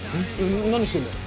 何してんだよ。